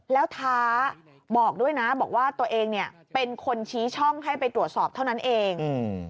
แล้วท้าบอกด้วยนะบอกว่าตัวเองเนี่ยเป็นคนชี้ช่องให้ไปตรวจสอบเท่านั้นเอง